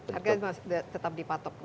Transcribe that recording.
harga tetap dipatok